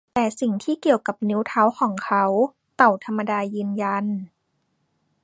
แต่สิ่งที่เกี่ยวกับนิ้วเท้าของเขา เต่าธรรมดายืนยัน